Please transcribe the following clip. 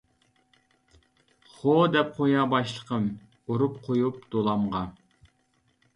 خو دەپ قويار باشلىقىم، ئۇرۇپ قويۇپ دولامغا.